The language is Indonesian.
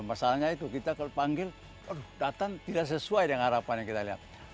masalahnya itu kita kalau panggil aduh datang tidak sesuai dengan harapan yang kita lihat